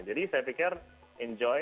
jadi saya pikir enjoy